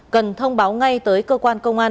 cần thông báo ngay tới cơ quan công an